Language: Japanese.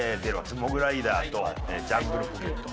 モグライダーとジャングルポケット。